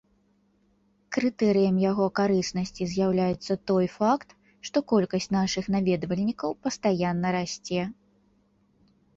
Крытэрыем яго карыснасці з'яўляецца той факт, што колькасць нашых наведвальнікаў пастаянна расце.